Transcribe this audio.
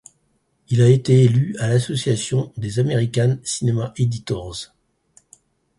Il a été élu à l'association des American Cinema Editors.